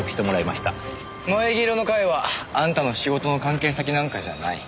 もえぎ色の会はあんたの仕事の関係先なんかじゃない。